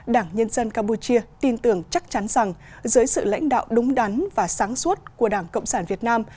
đảng nhân dân campuchia tin tưởng chắc chắn rằng dưới sự lãnh đạo đúng đắn và sáng suốt của đảng cộng sản việt nam